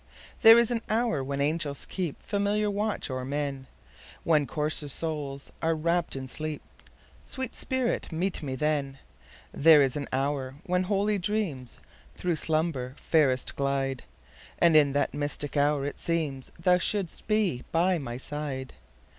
There is an hour when angels keepFamiliar watch o'er men, When coarser souls are wrapp'd in sleep—Sweet spirit, meet me then! There is an hour when holy dreamsThrough slumber fairest glide; And in that mystic hour it seemsThou shouldst be by my side.